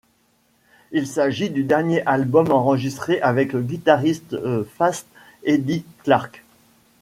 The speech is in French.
Il s'agit du dernier album enregistré avec le guitariste Fast Eddie Clarke.